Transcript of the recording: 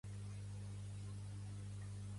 Vull canviar fenici a català.